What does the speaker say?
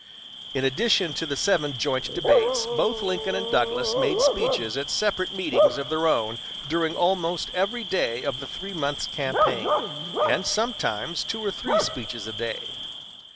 In addition to the seven joint debates, both Lincoln and Douglas made speeches at separate meetings of their own during almost every day of the three months' campaign, and sometimes two or three speeches a day.